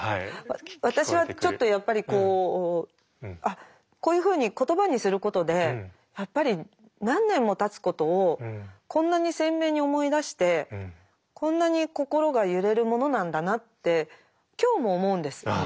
私はちょっとやっぱりこうこういうふうに言葉にすることでやっぱり何年もたつことをこんなに鮮明に思い出してこんなに心が揺れるものなんだなって今日も思うんです。